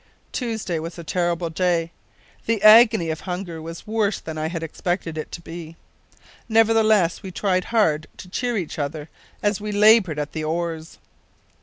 Tuesday was a terrible day. The agony of hunger was worse than I had expected it to be. Nevertheless, we tried hard to cheer each other as we laboured at the oars.